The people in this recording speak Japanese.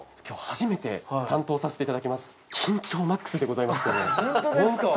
今日初めて担当させていただきます。